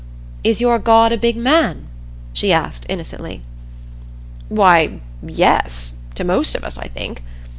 Is your God a Big Man?" she asked innocently. "Why yes, to most of us, I think.